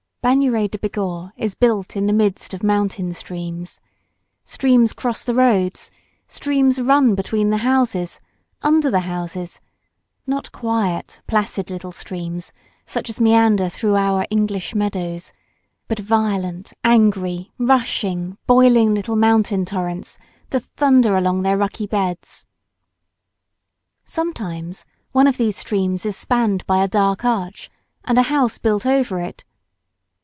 Bagnères de Bigorre is built in the midst of mountain streams. Streams cross the roads, streams run between the houses, under the houses, not quiet, placid little streams, such as meander through our English meadows, but violent, angry, rushing, boiling little mountain torrents that thunder along their rocky beds. Sometimes one of these streams is spanned by a dark arch, and a house built over it.